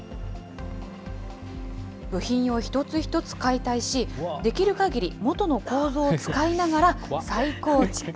部品を一つ一つ解体し、できるかぎり元の構造を使いながら再構築。